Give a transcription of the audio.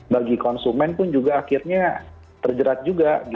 bagi konsumen pun juga akhirnya terjerat juga